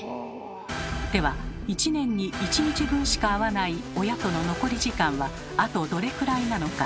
では１年に１日分しか会わない親との残り時間はあとどれくらいなのか。